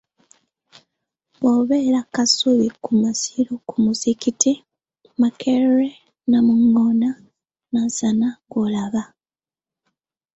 "Bw’obeera kasubi ku masiro ku muzikiti, Makerere, Namungoona, Nansana gw’olaba"